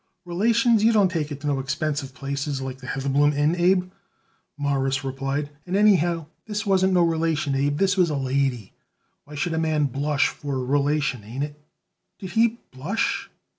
"Relations you don't take it to expensive places like the Heatherbloom Inn, Abe," Morris replied. "And, anyhow, this wasn't no relation, Abe; this was a lady. Why should a man blush for a relation, ain't it?" "Did he blush?"